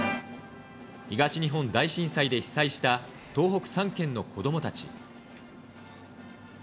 東日本大震災で被災した東北３県の子どもたち。